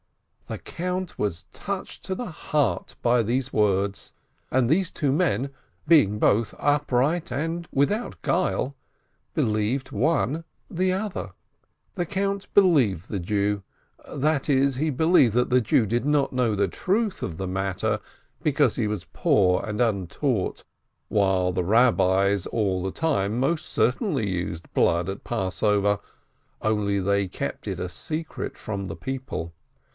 The Count was touched to the heart by these words, and these two men, being both upright and without guile, believed one the other. The Count believed the Jew, that is, he believed that the Jew did not know the truth of the matter, because he was poor and untaught, while the Eabbis all the time most certainly used blood at Passover, only they kept it a secret from the people.